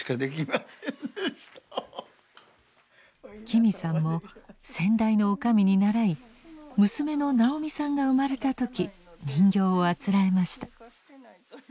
紀美さんも先代の女将に習い娘の直美さんが生まれた時人形をあつらえました。